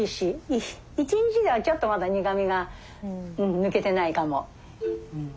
１日ではちょっとまだ苦みが抜けてないかも。